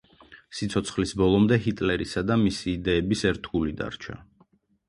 სიცოცხლის ბოლომდე ჰიტლერისა და მისი იდეების ერთგული დარჩა.